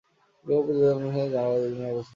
ঈদগাঁও উপজেলার উত্তরাংশে জালালাবাদ ইউনিয়নের অবস্থান।